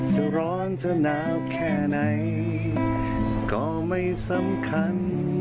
ฟังเถอะนาวแค่ไหนก็ไม่สำคัญ